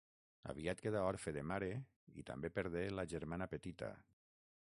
Aviat quedà orfe de mare i també perdé la germana petita.